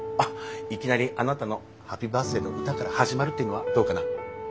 いきなりあなたのハッピーバースデーの歌から始まるっていうのはどうかな？